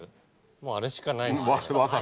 もうあれしかないですけど。